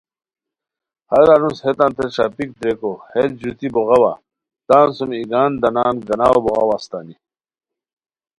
ہر انوس ہیتانتے ݰاپیک دریکو ہیت ژوتی بوغاوا تان سوم ایگان دانان گاناؤ بوغاؤ استانی